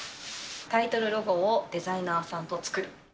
タイトルロゴをデザイナーさ